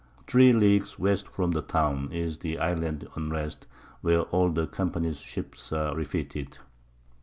Three Leagues West from the Town, is the Island Unrest, where all the Company's Ships are refitted.